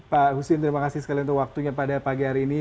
pak husin terima kasih sekali untuk waktunya pada pagi hari ini